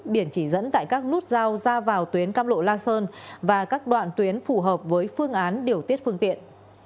biển chỉ dẫn tại các nút giao ra vào tuyến cam lộ la sơn và các đoạn tuyến phù hợp với phương án điều tiết phương tiện